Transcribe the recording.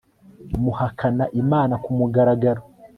muhakana imana ku mugaragaro